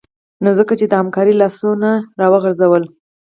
نو ځکه یې د همکارۍ لاسونه راوغځول